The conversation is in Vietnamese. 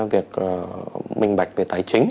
việc minh bạch về tài chính